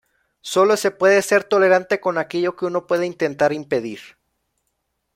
Sólo se puede ser tolerante con aquello que uno puede intentar impedir.